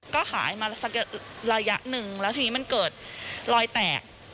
ก็ขายมาสักระยะหนึ่งแล้วทีนี้มันเกิดรอยแตก